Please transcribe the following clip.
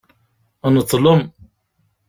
Neḍlem.